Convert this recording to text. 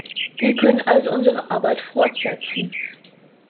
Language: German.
Wir können also unsere Arbeit fortsetzen.